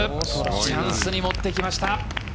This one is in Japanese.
チャンスに持ってきました。